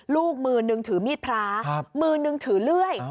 ลูกมือนึงถือมีดพระมือนึงถือเลื่อย